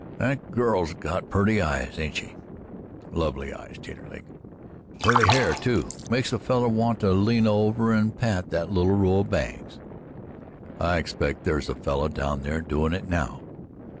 "That girl's got purty eyes, ain't she?" "Lovely eyes, Taterleg." "And purty hair, too. Makes a feller want to lean over and pat that little row of bangs." "I expect there's a feller down there doin' it now."